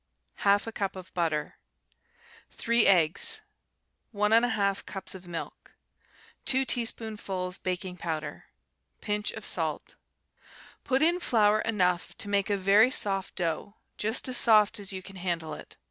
1/2 cup of butter. 3 eggs. 1 1/2 cups of milk. 2 teaspoonfuls baking powder. Pinch of salt. Put in flour enough to make a very soft dough, just as soft as you can handle it.